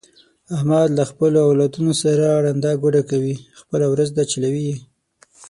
احمد له خپلو اولادونو سره ړنده ګوډه کوي، خپله ورځ ده چلوي یې.